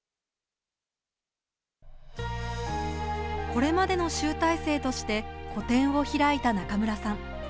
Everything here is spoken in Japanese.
これまでの集大成として個展を開いた中村さん。